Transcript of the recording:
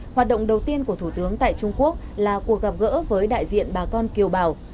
hoạt động đầu tiên của thủ tướng tại trung quốc là cuộc gặp gỡ với đại diện bà con kiều bào